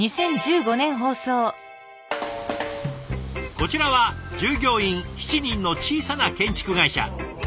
こちらは従業員７人の小さな建築会社。